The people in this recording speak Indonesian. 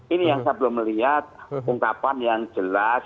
ini yang saya belum melihat ungkapan yang jelas